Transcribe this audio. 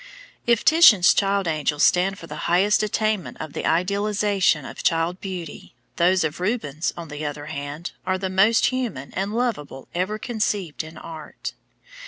If Titian's child angels stand for the highest attainment in the idealization of child beauty, those of Rubens, on the other hand, are the most human and lovable ever conceived in art.